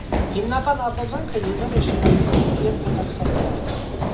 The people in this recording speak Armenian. Հիմնական արտադրանքը եղել է շերամի հունդ և մետաքսաթել։